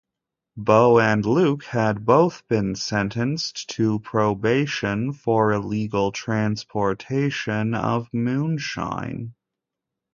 Bo and Luke had both been sentenced to probation for illegal transportation of moonshine.